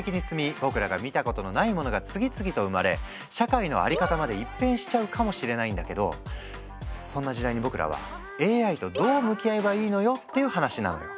僕らが見たことのないものが次々と生まれ社会の在り方まで一変しちゃうかもしれないんだけどそんな時代に僕らはＡＩとどう向き合えばいいのよっていう話なのよ。